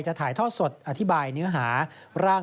ถ่ายทอดสดอธิบายเนื้อหาร่าง